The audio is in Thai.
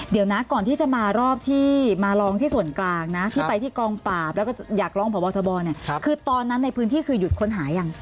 เดี๋ยวนะก่อนที่จะมารอบที่มาร้องที่ส่วนกลางนะที่ไปที่กองปราบแล้วก็อยากร้องพบทบเนี่ยคือตอนนั้นในพื้นที่คือหยุดค้นหายัง